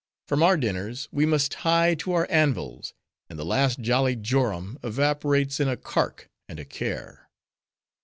From our dinners, we must hie to our anvils: and the last jolly jorum evaporates in a cark and a care."